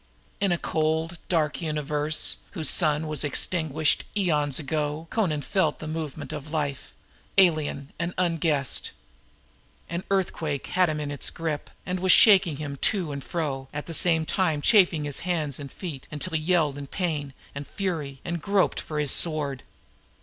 In a cold dark universe, whose sun was extinguished eons ago, Amra felt the movement of life, alien and unguessed. An earthquake had him in its grip and was shaking him to and fro, at the same time chafing his hands and feet until he yelled in pain and fury and groped for his sword.